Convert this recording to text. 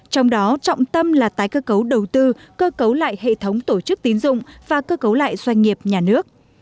trong đó trọng tâm là tái cơ cấu đầu tư cơ cấu lại hệ thống tổ chức tín dụng và cơ cấu lại doanh nghiệp nhà nước